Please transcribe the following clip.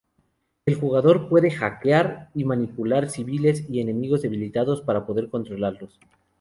El jugador puede "hackear" y manipular civiles y enemigos debilitados para poder controlarlos.